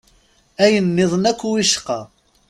Ayen-nniḍen akk wicqa!